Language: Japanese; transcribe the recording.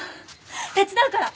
手伝うから！